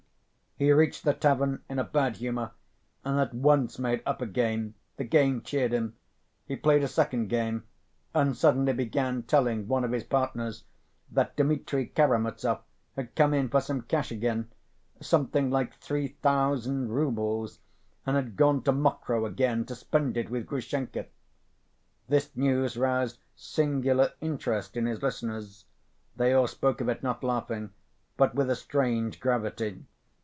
He reached the tavern in a bad humor and at once made up a game. The game cheered him. He played a second game, and suddenly began telling one of his partners that Dmitri Karamazov had come in for some cash again—something like three thousand roubles, and had gone to Mokroe again to spend it with Grushenka.... This news roused singular interest in his listeners. They all spoke of it, not laughing, but with a strange gravity.